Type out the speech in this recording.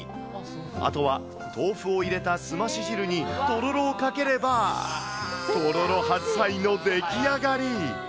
あとは豆腐を入れたすまし汁にとろろをかければ、とろろ八杯の出来上がり。